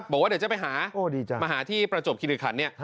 บอกว่าเดี๋ยวจะไปมาหามาหาที่ประจบคิดขัน